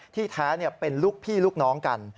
แท้เป็นลูกพี่ลูกน้องกัน